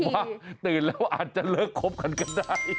ว่าตื่นแล้วอาจจะเลิกคบกันก็ได้